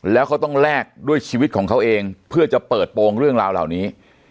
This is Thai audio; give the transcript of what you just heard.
แล้วเขาต้องแลกด้วยชีวิตของเขาเองเพื่อจะเปิดโปรงเรื่องราวเหล่านี้